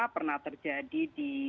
pernah terjadi di